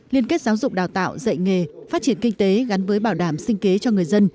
liên kết giáo dục đào tạo dạy nghề phát triển kinh tế gắn với bảo đảm sinh kế cho người dân